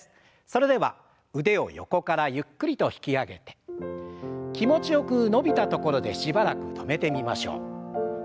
それでは腕を横からゆっくりと引き上げて気持ちよく伸びたところでしばらく止めてみましょう。